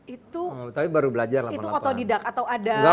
itu otodidak atau ada pelatihnya